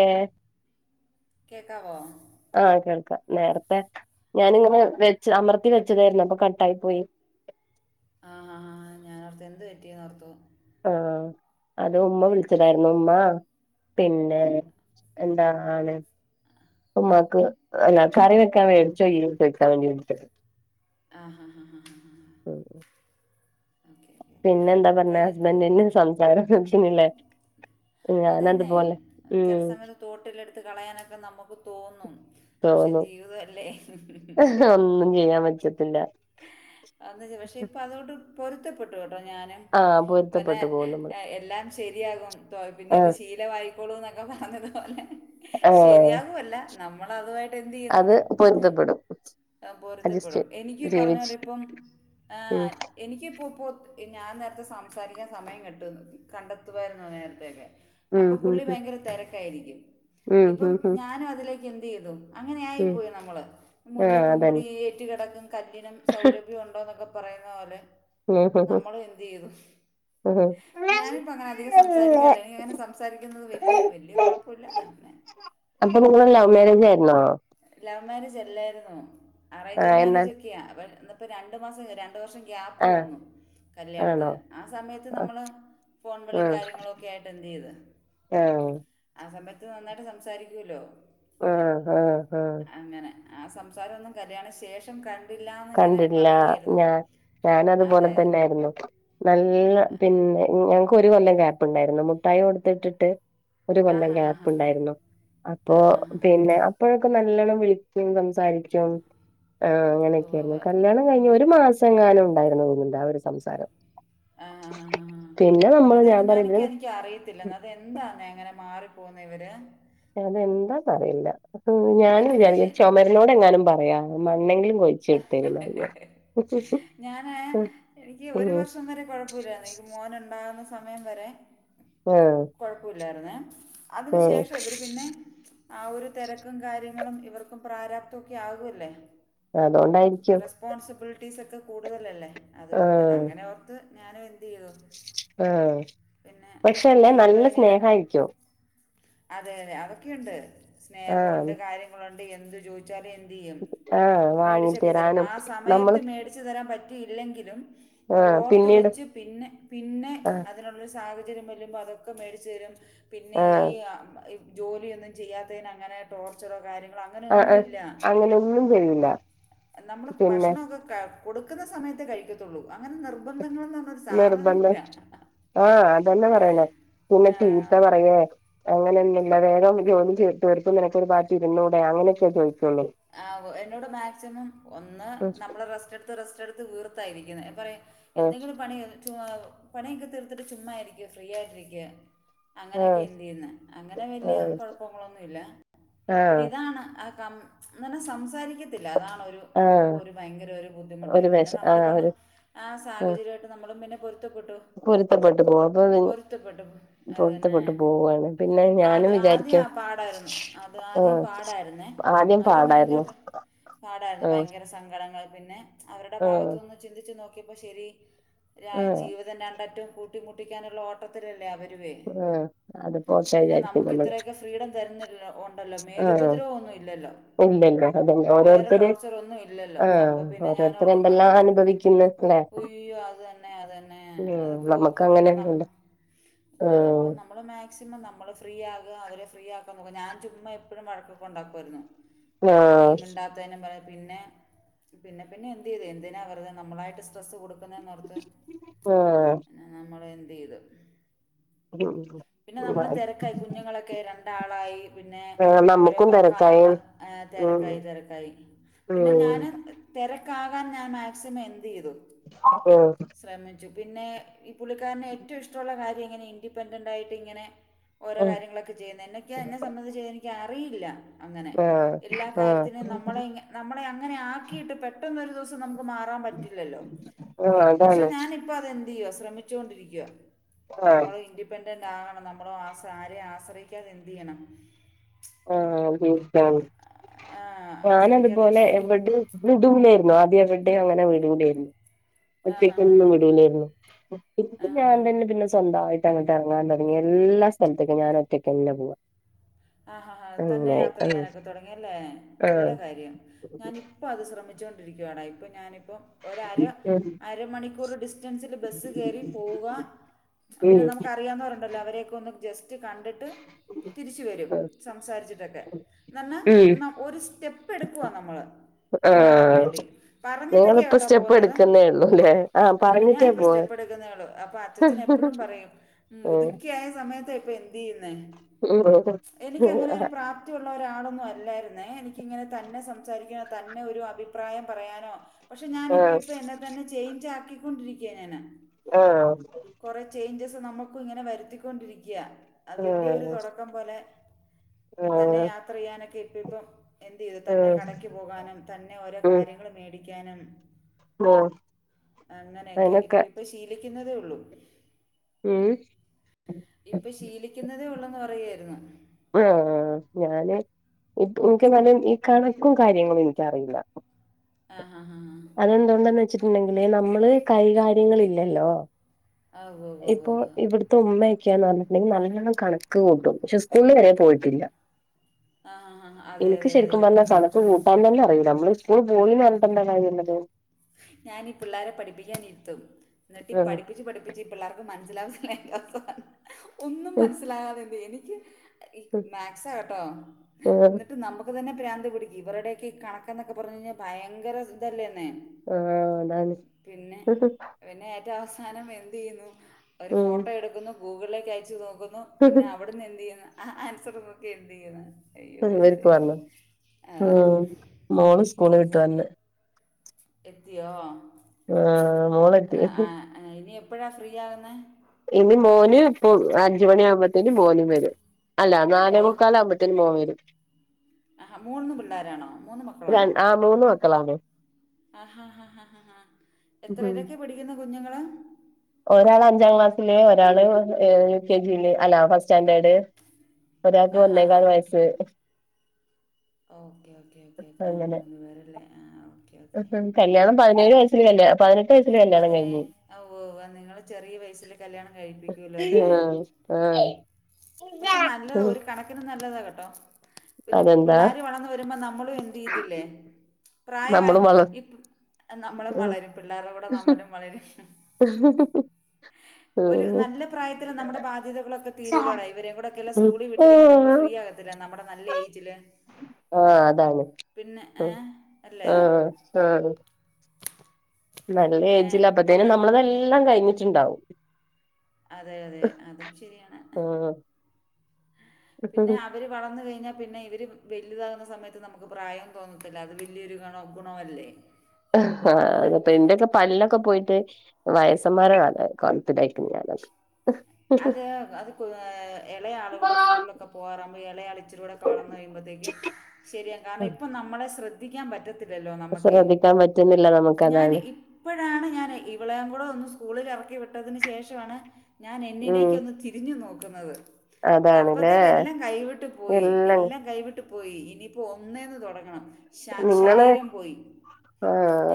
ഏഹ് കേക്കാവോ? ആഹ് കേൾക്കാ നേരത്തെ ഞാനിങ്ങനെ വെച്ച് അമർത്തി വെച്ചതായ്ര്ന്ന് അപ്പൊ കട്ടായ് പോയി ആഹ് ആഹ് ഞാനോർത്തു എന്ത് പറ്റീന്നാേർത്തു ആഹ് അത് ഉമ്മ വിൾച്ചതായ്ര്ന്നു ഉമ്മാ പിന്നെ എന്താണ് ഉമ്മാക്ക് അല്ല കറി വെക്കാൻ മേടിച്ചോ [unintelligible] വക്കാൻ വേണ്ടിട്ട ആ ഹാ ഹാ ഹാ ഹാ ഹാാ പിന്നെ എന്താ പറഞ്ഞ ഹസ്ബൻഡെന്റെ സംസാരംകേൾക്കുന്നില്ലേ അത തന്നെ ചില സമയത്ത് തോട്ടിലെടുത്ത് കളയാനൊക്കെ നമുക്ക് തോന്നും പക്ഷെ തോന്നും ജീവിതമല്ലേ ഒന്നും ചെയ്യാൻ പറ്റൂ അന്ന് പക്ഷെ ഇപ്പ അതുകൊണ്ട് പൊരുത്തപ്പെട്ടു കേട്ടോ ഞാനും ആ പിന്നെ പൊരുത്തപ്പെട്ടു പോകും നമ്മള് എല്ലാം ശരിയാകും ആ പിന്നെത് ശീലമായിയിക്കോളൂ എന്നൊക്കെ പറഞ്ഞത് പോലെ ആ ശീലമാവല്ല നമ്മളതു അത് പൊരുതപ്പെടും ആഹ് അഡ്ജസ്റ്റ് പൊരുത്തപ്പെടും ചെയ്യും എനിക്ക് ഈ പറഞ്ഞത് പോലെ ഇപ്പം ആ എനിക്ക് പ്പോ ഇപ്പോ ഞാൻ നേരത്തെ സംസാരിക്കാൻ സമയം കിട്ടും കണ്ടെത്തുവായിരുന്നു നേരത്തൊക്കെ ഉം അപ്പൊ ഉം പുള്ളി ഉം ഭയങ്കര തിരക്കായിരിക്കും ഉം ഇപ്പം ഉം ഉം ഞാനും അതിലേക്ക് എന്ത് ചെയ്തു ഉം അങ്ങനൊയിപ്പോയി നമ്മൾ ആഹ് മുല്ലപ്പൂമ്പിടി അതന്നെ ഏറ്റ് കിടക്കും കല്ലിനും സൗരഭ്യം ഉണ്ടോ എന്നൊക്കെ പറയുന്ന പോലെ നമ്മള് എന്ത്‌ ചെയ്തു ആ ഞാനിപ്പ അങ്ങനെ അധികം സംസാരിക്കാറില്ല എനിക്ക് അങ്ങനെ സംസാരിക്കുന്നത് വല്യ വല്യ കുഴപ്പമില്ല അങ്ങനെ അപ്പൊ നിങ്ങള് ലവ് മാരേജ് ആയിരുന്നോ ലവ് മാര്യേജ് അല്ലായിരുന്നു അറിയ്ഞ്ച് ആഹ് എന്നാൽ മാര്യേജ് ഒക്കെയാ ഇന്ന് ഇപ്പൊ രണ്ട് മാസം രണ്ട വർഷം ഗ്യാപ്പ് ആഹ് പോന്നു ആണോ കല്യാണത്തിന് ആ സമയത്ത് ആഹ് നമ്മള് ഫോണുകളും ഉം കാര്യങ്ങളുംക്കെയ ആയിട്ട് എന്ത് ചെയ്ത് ആഹ ഇത് നന്നായിട്ട് സംസാരിക്കുമല്ലോ ആഹ ആഹ അങ്ങനെ ഹഹ ആ സംസാരം ഒന്നും കല്യാണ ശേഷം കണ്ടില്ല എന്നിങ്ങനെ കണ്ടില്ല പറയുമായിരുന്നു ഞാ ഞാന അതുപോലെ അതെ അതെ തന്നൊയിരുന്നു നല്ല പിന്നെ ഞങ്ങക്ക് ഒരു കൊല്ലം ക്യാപ്പുണ്ടായിരുന്നു മുഠായി കൊടുത്തിട്ടിട്ട് ഒരു ആ കൊല്ലം ഹാ ഹാ ഹാ ഗ്യാപ്പ ഉണ്ടായിരുന്നു അപ്പൊ ആ ഹാ ഹാ പിന്നെ അപ്പോഴൊക്കെ നല്ല ണം വിളിക്കും സംസാരിക്കും ഉവ്വ് രുന്നു. ഉവ്വ്. കല്യാണം കഴിഞ് ഒരു മാസം ങ്ങാനും ഉണ്ടായിന്ന് തോന്നുന്നുണ്ട് ആ ഒരു സംസാരം ആഹ് ആ ആ പിന്നെ ആ നമ്മള് അത ഞാൻ പറയും ഞാനൊക്ക ഇതിന് എനിക്ക് അറിയത്തില്ല അത് എന്താന്ന് അങ്ങനെ മാറി പോകുന്നെ ഇവര് അതെന്താന്ന് അറിയില്ല ഞാൻ വിചാരിക്ക എനിക്ക് ചുമരനോട് എങ്ങാനും പറയാ മണ്ണെങ്കിലും പോയിച്ചട്ടേറിയ ഞാന് എനിക്ക് ഒരു വർഷം വരെ കൊഴപ്പമില്ലന്ന് എനിക്ക് മോന് ഉണ്ടാകുന്ന സമയം വരെ ആഹ അതിന് ശേഷം ഇവർ പിന്നെ ആ ഒരു തിരക്കും കാര്യങ്ങളും ഇവർക്കും പ്രാരാപ്തൊക്കെ ആകുമല്ലേ അതുകൊണ്ടായിരിക്കും [unintelligible] ഒക്കെ കൂടുതലല്ലേ അതുകൊണ്ട് ആഹ് അങ്ങനെ ഓർത്ത് ഞാനും എന്ത് ചെയ്തു ആഹ പിന്നെ മു- പക്ഷെല്ല നല്ല ജീവിതം ഇനി ര- സ്നേഹ ആയിരിക്കോ അതെ അതെ അതൊക്കെയുണ്ട് ആഹ് സ്നേഹമുണ്ട് കാര്യങ്ങളുണ്ട് എന്ത്‌ ചോയി ച്ചാല്. എന്തു ചെയ്യും ആഹ് മേടിച്ചൊക്കെ തരും വാങ്ങിത്തരാനും ആ സമയത്ത് നമ്മള് മേടിച്ച് തരാൻ പറ്റിയില്ലെങ്കിലും അത് ആഹ് ഓർത്ത് പിന്നീട് വെച്ച് പിന്നെ പിന്നെ ആഹ് അതിനുള്ള സാഹചര്യം വരുമ്പോൾ അതൊക്കെ മേടിച്ച് തരും പിന്നെ ഈ ആഹ് ആ ജോലി ഒന്നും ചെയ്യാത്തന് അങ്ങനെ ടോർച്ചറോ കാര്യ ആ ആ അങ്ങനെ ഒന്നും ചെയ്യൂ നമ്മള് ഭക്ഷണൊക്കെ കൊടുക്കുന്ന സമയത്ത് കഴിക്കത്തുള്ളൂ അങ്ങനെ നിർബന്ധങ്ങളന്ന് പറഞ്ഞ ഒരു നിർബന്ധ സാധനയില്ല ആഹ് അതന്നെ പറയണേ പിന്നെ ചീത്ത പറയേ അങ്ങനെ എന്ത ല്ല വേഗം ജോലി തീർത്ത് നിനക്കൊരു ബാത്ത് ഇര്ന്നൂടെ അങ്ങനെയൊക്കെ ചോദിച്ചു ആ എന്നോട് മാക്സിമം ഒന്ന് ഉം നമ്മള് റസ്റ്റ് എടുത്ത് റെസ്റ്റ് എടുത്ത് വീ ത്തായിരിക്കുന്നെ അപ്പറയ ഉം എന്തെങ്കിലും പണി തിങ്ങാവ് പണിയൊക്കെ തീർത്തിട്ട് ചുമ്മാ ഇരിക്കു ഫ്രീ ആയിട്ടിരിക്കു അങ്ങനെയൊക്കെ ആഹ് എന്ത് ചെയ്യുന്ന് അങ്ങനെ വല്യ ആഹ് കുഴപ്പങ്ങളൊന്നുംല്ല പിന്നെ ആഹ് ഇതാണ് ആ അങ്ങനെ സംസാരിക്കത്തില്ല അതാണ് ഒരു നമുക്ക് ആഹ് ഒരു ഭയങ്കര ഒരു ഒരു ബുദ്ധിമുട്ടായി പിന്നെ വേഷം നമ്മൾ ആഹ് പറഞ്ഞ ഒരു ആ സാഹചര്യമായിട്ട് നമ്മളും പിന്നെ പൊരുത്തപ്പെട്ടു പൊരുത്തപ്പെട്ട് പോ അപ്പൊ പൊരുത്തപ്പെട്ടു അതിനെ പൊരുത്തപ്പെട്ട് പോവാണ് പിന്നെ ഞാനും ആദ്യം ആദ്യം വിചാരിക്കും ആ പാടായിരുന്നു ആ ആദ്യം ആഹ് പാടായിരുന്നേ ആദ്യം ഭയങ്കര പാടായിരുന്നു ആഹ് ഭയങ്കര സങ്കടങ്ങൾ പിന്നെ അവരുടെ ആഹ് ഭാഗത്തുനിന്ന് ചിന്തിച്ചു നോക്ക കിയപ്പോ ശരി രാ ആഹ് ജീവിതം രണ്ടറ്റവും കൂട്ടിമുട്ടിക്കാനുള്ള ഓട്ടത്തിലല്ലേ അവർ ആ അത് പോ ശ പി ഉണ്ടല്ലോ മേലുപദ്രവ ഒന്നും ഇല്ലല്ലോ ഇല്ലല്ല അതന്നെ വേറെ ഓരോരുത്തർ ടോർച്ചർ ഒന്നും ഇല്ലല്ലോ ആ അപ്പോൾ ഓരോരുത്തർ എന്തെല്ലാം അനുഭവിക്കുന്ന് ല്ലേ ഒയ്യോ അത് തന്നെ അതു തന്നെ ഉം അതൊക്കെ നമ്മക്ക് ഓർത്ത് പിന്നെ നമ് അങ്ങനെയൊന്നുല്ല ലാ അപ്പൊ ആഹ് നമ്മള് മാ മാക്സിമം നമ്മൾ ഫ്രീ ആകുക അവരെ ഫ്രീ ആക്കാൻ നോക്കുക ഞാൻ ചുമ്മാ എപ്പോഴും വഴക്ക് ഉണ്ടാക്കുമായിരുന്നു ഈ ആഹ് മിണ്ടാത്തേന് പറയ പിന്നെ പിന്നെ പിന്നെ എന്ത് ചെയ്ത് എന്തിനാ വെറുതെ നമ്മളായിട്ട് സ്ട്രസ് കൊ പനെ നോർത്ത് ആഹ് നമ്മൾ എന്ത് ചെയ്തു പിന്നെ ഉം നമ്മള് ആഹ് തിരക്കായി കുഞ്ഞുങ്ങളൊക്കെ രണ്ടാളായി പിന്നെ അവരെ നമ്മുക്കും തിരക്കായി നോക്കാനുള്ള ഏ ഉം തിരക്കായി തിരക്കായി പിന്നെ ഞാൻ ഉം തിരക്കാകാൻ ഞാൻ മാക്സിമം എ തെയ്തു ഉം ശ്രമിച്ചു പിന്നെ പുള്ളിക്കാരന് ഏറ്റവും ഇഷ്ടുള്ള കാര്യം അങ്ങനെ ഇൻിപെൻഡന്റായിട്ടിങ്ങനെ ഓരോ ഉം കാര്യങ്ങളൊക്ക ചെയ്യുന്നതിൻ്റെ എന്നൊക്കെയ എന്നെ സംബന്ധിച്ച് വിചാരിക്ക അറിയില്ല അങ്ങനെ ആഹ് ഇല്ലാ ആഹ് കാര്യത്തിനും നമ്മളെ ഇങ്ങ് നമ്മളെ അങ്ങനെയാക്കിയിട്ട് പെട്ട ന്നു ഒരു ദിവസം നമുക്ക് മാറാൻ പറ്റില്ലല്ലോ ആഹ് പക്ഷെ അതാണ് ഞാനിപ്പോ അതെന്ത് ചെയ്യ ശ്രമിച്ചുകൊണ്ടിരിക്ക ആഹ് നമ്മൾ ഇൻഡിപെൻഡൻറ് ആകണം നമ്മള ആസ ആരെയും ആശ്രയിക്കാതെ എന്തു ചെയ്യണം ആ ഒരി ആഹ് ആ ഞാന് ആശ്രയിക്കാതെ അതുപോലെ ജീവിക്ക എവിടെ ഉന്തുന്നായിരുന്നു ആദ്യംവി ടേം അങ്ങനേ വീടൂലായിരുന്നു ആഹ് ആഹ് ഒച്ചക്കൊന്നും വിടലായിരുന്നു ആഹ്. ആഹ് ഞാൻ ആഹ്. തന്നെ പിന്നെ സ്വന്തമായി ട്ടങ്ങട്ട് ഇറങ്ങാൻ തുടങ്ങിയ എല്ലാ സ്ഥലത്തേക്കും ഞാന് ഒറ്റയ്ക്കന്നെ പോവാ ആഹാഹാ തന്നെ അങ്ങനായി യാത്ര ആഹ് ചെയ്യാനൊക്കെ തുടങ്ങിയല്ലേ നല്ല ആഹ് കാര്യം ഞാന് ഇപ്പ അത് ശ്രമിച്ചോണ്ടിരി ക്കുവാട ഇപ്പ ഞാനിപ്പ ഒരര ഉം അര മണിക്കൂർ ടി സ്റ്റൻസിൽ ബസ് കേറി പോവുക പിന്നെ ഉം നമുക്കറിയാവുന്നണ്ടല്ലോ അവരെയൊക്കെ ഒന്നു ജസ് സ്റ്റ് കണ്ടിട്ട് തിരിച്ചു വരും സംസാരിച്ചിട്ടോക്കെ നന്ന ഉം ന ഒരു സ്റ്റെപ്പ് എടുക്കുവ നമ്മൾ മാറാൻ ആഹ് വേണ്ടി പറഞ്ഞിട്ടൊക്കെയ നിങ്ങളിപ്പോ കേട്ടോ സ്റ്റെപ്പ് പോകുന്നത് എടുക്കുന്നേ ഉള്ളൂല്ലേ ആ ഞാൻ ഇന്നേ ഞാൻ പറഞ്ഞിട്ടേ ഇപ്പോ പോ സ്റ്റേ പ്പെടുക്കുന്നെള്ളു അപ്പൊ അച്ചച്ചന് എപ്പോഴും പറയും ആഹ് മുതുക്കിയ ആയ സമയത്ത ഇപ്പൊ എന്ത് ചെയ്യുന്നേ ഉം എനിക്ക് അങ്ങനെ ഒരു പ്രാപ്തി ഉള്ള ഒരാളൊന്നും അല്ലായിരുന്നേ എനിക്കിങ്ങനെ തന്നെ സംസാരിരി തന്നെ ഒരു അഭിപ്രായം പറയാനോ പക്ഷെ ഞാനിപ്പ ഇപ്പ എന്നെ തന്നെ ചേഞ്ച്‌ ആക്കി ക്കൊണ്ടിരിക്കയ ഞാന് ആഹ് നമുക്കു ഇങ്ങനെ വരുത്തിക്കൊണ്ടിരിക്കാ അതിൻ്റെ ഒരു തുടക്കം പോലെ ആഹ് തന്നെ യാത്ര ചെയ്യാനൊക്കെ ഇപ്പം ഇപ്പം എന്ത് ചെയ്തു തന്നെ ആഹ് കടയ്ക്ക് പോകാനും തന്നെ ഓരോ ഉം കാര്യങ്ങൾ മേടി ക്കാനും ഉം അങ്ങനെ ഒക്കെ അതിനൊക്കെ ഇപ്പൊ ഇപ്പൊ ശീലി ക്കുന്നതെ ഉള്ളു ഉം ഇപ്പൊ ശീലിക്കുന്നതേ ഉള്ളെ ന്ന് പറയുവായിരുന്നു ആഹ് ഞാന് ഇക്കും എനിക്കെന്നല് ഈ കണക്കും കാര്യങ്ങളും എനിക്കറിയില്ല ആഹ് ഹ ആഹ് അതെന്തോന്ന് വെച്ചിട്ടുണ്ടെങ്കില് നമ്മള് കൈകാര്യങ്ങളില്ലല്ലോ ആ ഓ ഓ ഓ ഇപ്പൊ ഓ ഇവിടുത്തെ ഉമ്മ ന്ന് പറഞ്ഞിട്ടുണ്ടെങ്കിൽ നല്ല കണക്ക് കൂട്ടും പക്ഷെ സ്കൂളലന്നാ പോയിട്ടില്ല ആ ഹാ ഹാ അതെ എനിക്ക് അതെ അതെ ശരിക്കും അതെ പറഞ്ഞാൽ പണ്ട് കണക്ക് കൂട്ടാൻ തന്നെ അറയില്ല നമ്മള് സ്കൂളി പോയിന് പറഞ്ഞിട്ട് ന്താ കാര്യ ഉള്ളത് ഞാൻ ഈ പിള്ളേരെ പഠിപ്പിക്കാനിരുത്തും എന്നിട്ട് ഉം പഠിപ്പിച്ച് പഠിപ്പിച്ച് പിള്ളർക്ക് മന [unintelligible] ഒന്നും മനസ്സിലാകതെണ്ട് എനിക്ക് ഈ മാത്‍സ കേട്ടോ ആഹ് എന്നിട്ട് നമുക്ക് തന്നെ പ്രാന്ത് പിടിക്കും ഇവരുടോക്കെ ഈ കണക്കെന്നൊക്കെ പറഞ്ഞു കഴിഞ്ഞാ ഭയങ്കര ഇതല്ലേന്നെ ആഹ അതാന്ന് പിന്നെ അവസാനം എന്തെയുന്നു ഒരു ഉം ഫോട്ടോ എടുക്കുന്നു ഗൂഗിളിലേക്ക് അയച്ചു നോ ക്കുന്നു പിന്നെ അവിടുന്ന് എന്ത്‌ ചെയ്യുന്ന് ആൻസർ നോക്കി എന്ത് ചെയ്യുന്ന് ഉം ഇവർക്കൊ വന്ന് ഉം മോള് സ്കൂൾ വിട്ട് വന്ന് എത്തിയോ ആഹ് മോളെത്തി എപ്പഴാ ഫ്രീ ആകുന്നെ ഇനി മോന് ഇപ്പൊ അഞ്ചു മണി ആവുമ്പോത്തേനും മോനും വരും അല്ല നാലേ മുക്കാല് ആവുമ്പത്തേന് മോൻ വരും ആഹ് മൂന്ന് പിള്ളേരാണോ മൂന്ന് മക്കളാണോ? ര- ആ മൂന്ന് മക്കളാണ് ആഹാ ഹാ ഹാ ഹാ ഹാ എത്രയിലൊക്കെയാ പിടിക്കുന്ന കുഞ്ഞുങ്ങള് ഒരാൾ അഞ്ചാം ക്ലാസ്സില് ഒരാള് യു കെ ജില് അല്ല ഫസ് സ്റ്റാഡേർഡ് ഒരാൾക്ക് ആഹാ ഒന്നേകാല് വയസ്സ് ഓക്കേ ഓക്കേ ഓക്കെ ആഹ് മൂന്ന് പേരല്ലേ? ആ ഓക്കെ ഓക്കെ ഉം കല്യാണം പതിനേഴ് വയസ്സിൽ കല്യാണം പതിനെ പതിനെ ഓഹ് നിങ്ങള് ചെറിയ വയസില് കല്യാണം കഴിപ്പിക്കൂല്ലോ അല്ലെ ആഹ് ആഹ് പക്ഷെ നല്ലത ഉം ഒരു കണക്കിന് നല്ലത കേട്ടോ പിന്നെ അതെന്താ പിള്ളാര് വളർന്ന് വരുമ്പോ നമ്മളും എന്ത്‌ ചെയ്ത്തില്ലേ പ്രായയാ നമ്മള് വള ഈ നമ്മളും വളരും പിള്ളേരുടെ കൂടെ നമ്മളും വളരും [inaudible] ഒരു നല്ല പ്രായത്തില് നമ്മുടെ ബാധ്യതകളൊക്കെ തീരൂലോടെ ഇവരേം കൂടോക്കെ ല്ലേ സ്കൂളിൽ വിട്ടു കഴിഞ്ഞാ നമ്മള് ആഹ് ഫ്രീയകത്തില്ലേ നമ്മുടെ നല്ല ഏജില് ആഹ് അതാണ് പിന്നെ ഏ ഉം അല്ലേ ഉം നല്ല പിന്നെ ഏജിൽ അപ്പത്തേനും എന്താ നമ്മളിതെല്ലാം കഴിഞ്ഞിട്ടുണ്ടാവും അതെ അതെ അതും ശരിയാണ് ആഹ് പിന്നെ അവര് വളന്ന് കഴിഞ്ഞ പിന്നെ ഇവര് വലുതാകുന്ന സമയത്ത് നമുക്ക് പ്രായം തോന്നത്തില്ല അത് വലിയൊരു ഗണ ഗുണവല്ലേ ആഹ് ഇത്പ്പ എന്റെയൊക്കെ പല്ലൊക്കെ പോയിട്ട് വയസ്സന്മാരണ കൊലത്തിലായിപ്പോയി ഞാൻ അ അത് അത് ഇളയാ ആള കൂടെ സ്കൂലൊക്കെ പോകരാമ ഇല അളിച്ചരൂടെ ക വളന്നയുംമ്പ ശരി കാര ഇപ്പ നമ്മളെ ശ്രദ്ധിക്കാൻ പറ്റ ശ്രദ്ധിക്കാൻ പറ്റുന്നില്ല നമുക്ക്താണ് ഞാൻ [unintelligible] ഞാൻ ഇവളെയും കൂടെ സ്കൂളിലിറക്കി വിട്ടതിന് ശേഷണ് ഞാൻ ഉം എന്നിലേക്കൊന്ന് തിരിഞ്ഞു നോക്കുന്നത് അതാണ്ല്ലേ അപ്പത്തേക്ക് എല്ലാം കൈവിട്ട് പോയി എല്ലാം കൈവിട്ട് ട്ട പോയി ഇനിയിപ്പോ ഒന്നേന്ന് തൊ ടങ്ങണം നിങ്ങള്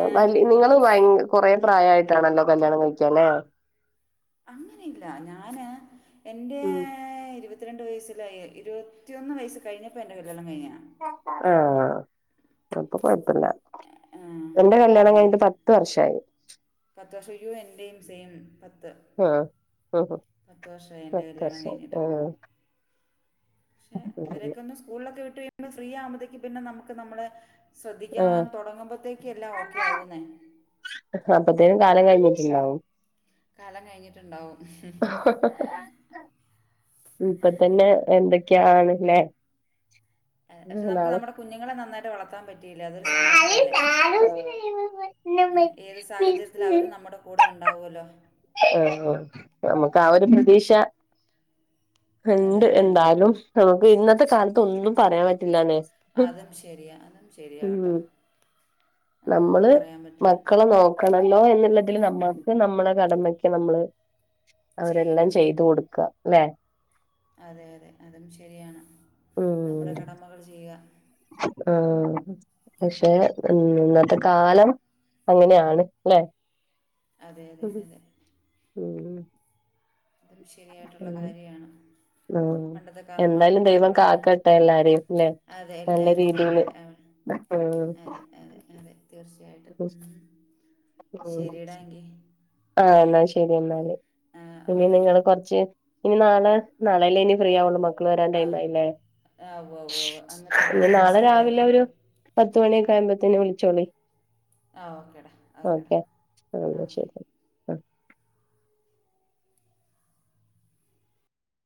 ഏ ആ നിങ്ങള് ഭയ കൊറെ പ്രായമായിട്ടാണല്ലോ കല്യാണം കഴിക്കാ ല്ലേ അങ്ങനെയില്ല ഞാന് എറെ ഉം ഇരുപത്തി പത്തിരണ്ട് വയസ്സിലായി ഇരുപത്തിയൊന്ന് വയസ് കഴിഞ്ഞപ്പോ എന്റെ കല്യാണം കഴിഞ്ഞാ ആഹ അപ്പൊ കൊഴപ്പില്ല ആ, എന്റെ കല്യാണം അതെ കഴിഞ്ഞിട്ട് പത്ത് വർഷായി. പത്ത് വർഷം യ്യോ എന്റെയും സെയിം. ആഹ ആഹ പത്ത് വർഷമായി എൻ്റെ പത്ത് കല്യാണം വർഷം കഴിഞ്ഞിട്ട് ആഹ പക്ഷെ ഇവരൊക്കെ ഒന്നും സ്കൂളിലൊക്കെ വിട്ട് കഴിയുമ്പോ ഫ്രീ ആകുമ്പോഴത്തേക്ക് പിന്നെ നമുക്ക് നമ്മളെ ശ്രദ്ധിക്കാൻ ആഹ് തതൊ ടങ്ങുമ്പോത്തേക്കല്ലാ ഓക്കെ ആവുന്നേ അപ്പത്തേനും കാലം കഴിഞ്ഞിട്ടുണ്ടാവും. കാലം കഴിഞ്ഞിട്ടുണ്ടാവും. ഇപ്പ തന്നെ എന്തൊക്കെയാണ് ല്ലേ പക്ഷെ നമുക്ക് നാളെ നമ്മുടെ കുഞ്ഞുങ്ങളെ നന്നായിട്ട് വളർത്താൻ പറ്റിയില്ലേ അതൊരു സന്തോഷ ആഹ് അല്ലേ ഏത് സാഹചര്യത്തിൽ അവര് നമ്മുടെ കൂടെ ഉണ്ടാവൊല്ലോ ആ നമുക്ക് ആ ഒരു പ്രതീക്ഷ എന്ത് അതെ അതെ എന്താലും നമുക്ക് ഇന്നത്തെ കാലത്ത് ഒന്നും പറയാൻ പറ്റില്ലന്നെ അതും ശരിയാ അതും ശരിയാകട്ടോ നമ്മള് മക്കളെ നോക്കണല്ലോ എന്നുള്ള അതിൽ നമ്മുക്ക് നമ്മള കടമക്ക് നമ്മള് അവരെല്ലാം ചെയ്യുന്നു ചെയ്ത് കൊടുക്ക ല്ലേ അതെ അതെ അതും ശരിയാണ് നമ്മുടെ കടമകൾ ചെയ്യുക. ആഹ പക്ഷെ ഇന്നത്തെ കാലം അങ്ങനെയാണ് ല്ലെ അതെ അതെ അതെ ഉം അതും ശരിയായിട്ടുള്ള കാര്യാണ്. ഉം എന്തായാലും ദൈവം കാക്കട്ടെ എല്ലാരേല്ലെ അതെ നല്ല എല്ലാവരെയും രീതിയില് കാക്കട്ടെ അവ- ആഹ അതെ അതെ അതെ തീർച്ചയായിട്ടും ഉം. ശരിടാ എങ്കിൽ ആഹ എന്നാ ശരി എന്നാൽ ആ ഇനി ഓക്കെ നിങ്ങള് കൊറച്ച് ഇനി നാളെ നാളെല്ലേ ഇനി ഫ്രീ ആവുള്ളു മ ക്കള് വരാൻ ടൈംമായില്ലേ ആ് ആ് അന്ന പെ എനിക്ക് മെസ്സേജ് ആയിക്കട്ട് പിന്നെ വിളിച്ചോളി ആ ഓക്കേടാ ഓക്കേടാ ഓക്കെ ആ ഓക്കെ ശരി